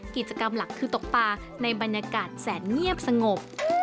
กิจกรรมหลักคือตกปลาในบรรยากาศแสนเงียบสงบ